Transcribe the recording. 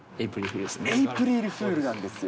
エイプリルフールですね。